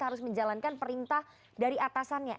harus menjalankan perintah dari atasannya